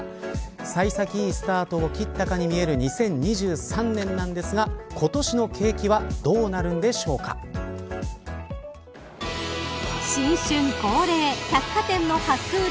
幸先いいスタートを切ったかに見える２０２３年ですが今年の景気は新春恒例、百貨店の初売り。